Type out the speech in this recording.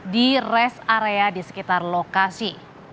di rest area di sekitar lokasi